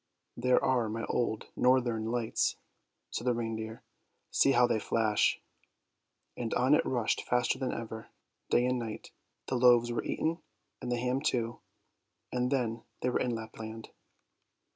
" There are my old northern lights," said the reindeer; "see how they flash! " and on it rushed faster than ever, day and night. The loaves were eaten, and the ham too, and then they were in Lapland.